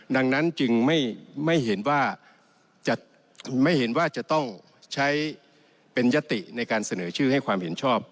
ดังนั้นจึงไม่เห็นว่าจะต้องใช้เป็นยศติในการเสนอชื่อให้ความเห็นชอบ